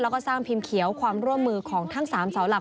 แล้วก็สร้างพิมพ์เขียวความร่วมมือของทั้ง๓เสาหลัก